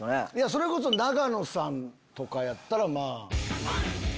それこそ永野さんとかやったらまぁ。